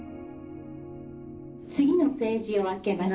「次のページを開けます」。